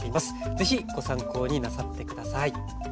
是非ご参考になさって下さい。